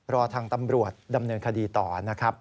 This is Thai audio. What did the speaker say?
รอทางตำรวจดำเนินคดีต่อนะครับ